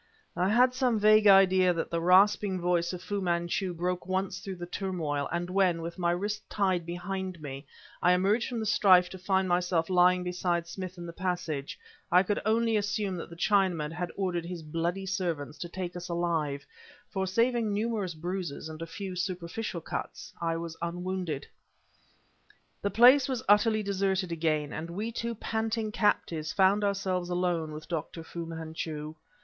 I had some vague idea that the rasping voice of Fu Manchu broke once through the turmoil, and when, with my wrists tied behind me, I emerged from the strife to find myself lying beside Smith in the passage, I could only assume that the Chinaman had ordered his bloody servants to take us alive; for saving numerous bruises and a few superficial cuts, I was unwounded. The place was utterly deserted again, and we two panting captives found ourselves alone with Dr. Fu Manchu.